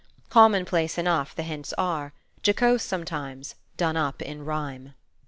Commonplace enough the hints are, jocose sometimes, done up in rhyme.